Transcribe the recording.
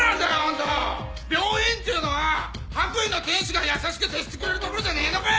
病院っていうのは白衣の天使が優しく接してくれる所じゃねえのかよ！？